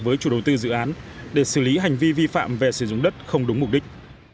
với chủ đầu tư dự án để xử lý hành vi vi phạm về sử dụng đất không đúng mục đích